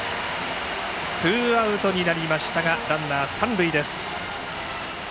ツーアウトになりましたがランナーは三塁です。